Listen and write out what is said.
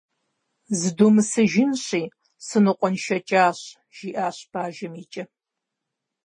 - Зыдумысыжынщи, сынокъуэншэкӏащ, - жиӏащ бажэм и кӏэм.